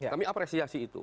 kami apresiasi itu